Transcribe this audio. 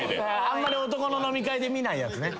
あんまり男の飲み会で見ないやつね。